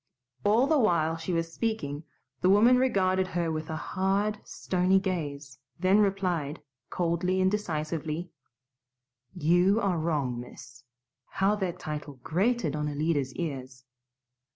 All the while she was speaking the woman regarded her with a hard, stony gaze; then replied, coldly and decisively, "You are wrong, miss" how that title grated on Alida's ears!